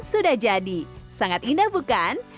batik pun sudah jadi sangat indah bukan